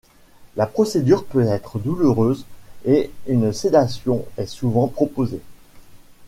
La procédure peut être douloureuse et une sédation est souvent proposée.